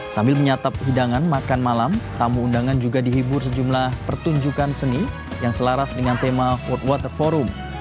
sambil menyatap hidangan makan malam tamu undangan juga dihibur sejumlah pertunjukan seni yang selaras dengan tema food water forum